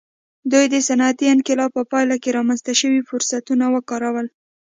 دوی د صنعتي انقلاب په پایله کې رامنځته شوي فرصتونه وکارول.